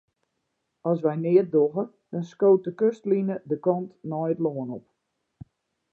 As wy neat dogge, dan skoot de kustline de kant nei it lân op.